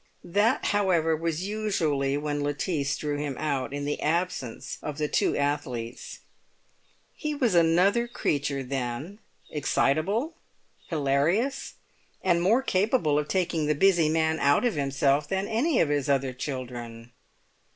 That, however, was usually when Lettice drew him out in the absence of the two athletes; he was another creature then, excitable, hilarious, and more capable of taking the busy man out of himself than any of his other children.